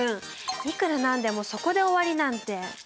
いくらなんでもそこで終わりなんて。